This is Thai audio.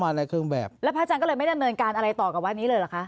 ในเครื่องแบบแล้วพระอาจารย์ก็เลยไม่ดำเนินการอะไรต่อกับวัดนี้เลยเหรอคะ